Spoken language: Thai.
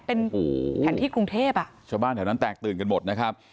เป็นแผนที่กรุงเทพอ่ะชาวบ้านแถวนั้นแตกตื่นกันหมดนะครับ